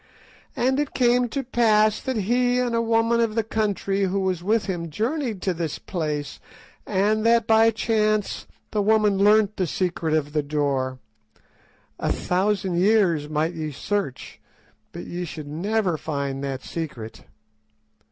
"And it came to pass that he and a woman of the country who was with him journeyed to this place, and that by chance the woman learnt the secret of the door—a thousand years might ye search, but ye should never find that secret.